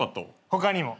他にも。